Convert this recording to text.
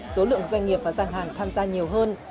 số lượng doanh nghiệp và gian hàng tham gia nhiều hơn